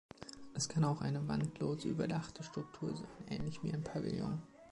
Es kann auch eine wandlose, überdachte Struktur sein, ähnlich wie ein Pavillon.